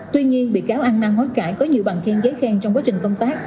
tuy nhiên bị cáo ăn năng hối cãi có nhiều bằng khen giấy khen trong quá trình công tác